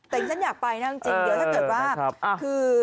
แต่ดิฉันอยากไปนะจริงเดี๋ยวถ้าเกิดว่าคือ